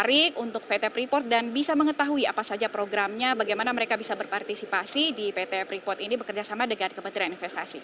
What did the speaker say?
menarik untuk pt freeport dan bisa mengetahui apa saja programnya bagaimana mereka bisa berpartisipasi di pt freeport ini bekerjasama dengan kementerian investasi